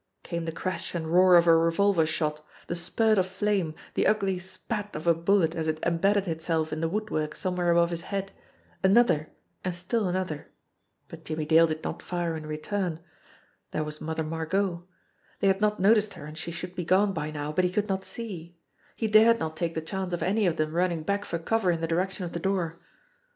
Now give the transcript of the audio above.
Came the crash and roar of a revolver shot, the spurt of flame, the ugly spat of a bullet as it embedded itself in the woodwork somewhere above his head, another, and still an other but Jimmie Dale did not fire in return. There was THE HOUSE WITH THE BROKEN STAIRS 97 Mother Margot. They had not noticed her and she should be gone by now, but he could not see. He dared not take the chance of any of them running back for cover in the di rection of the door.